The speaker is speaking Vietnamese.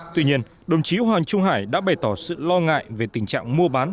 tuy nhiên đồng chí hoàng trung hải đã bày tỏ sự lo ngại về tình trạng mua bán